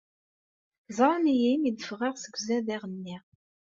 Ẓran-iyi mi d-ffɣeɣ seg uzadaɣ-nni.